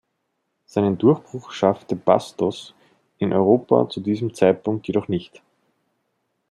Seinen Durchbruch schaffte Bastos in Europa zu diesem Zeitpunkt jedoch nicht.